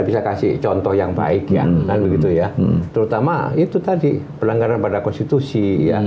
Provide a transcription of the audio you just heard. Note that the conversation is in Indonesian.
bisa kasih contoh yang baik ya kan begitu ya terutama itu tadi pelanggaran pada konstitusi yang